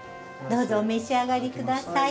どうぞお召し上がり下さい。